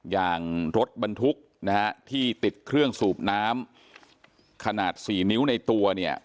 อย่างรถบรรทุกนะฮะที่ติดเครื่องสูบน้ำขนาด๔นิ้วในตัวเนี่ย